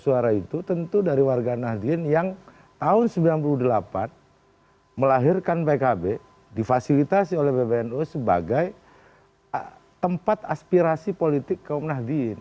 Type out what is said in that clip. suara itu tentu dari warga nahdien yang tahun sembilan puluh delapan melahirkan pkb difasilitasi oleh pbnu sebagai tempat aspirasi politik kaum nahdien